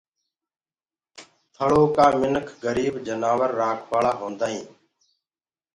ٿݪو ڪآ منک گريب جآنور رآکوآݪآ هوندآئين